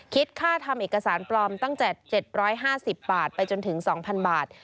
คิดค่าทำเอกสารปลอมตั้งแต่๗๕๐บาทไปจนถึง๒๐๐บาท